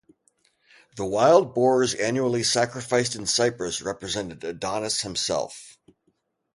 The wild boars annually sacrificed in Cyprus represented Adonis himself.